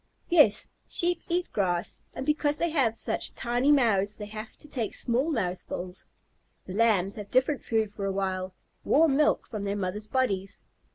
Yes, Sheep eat grass, and because they have such tiny mouths they have to take small mouthfuls. The Lambs have different food for a while, warm milk from their mothers' bodies.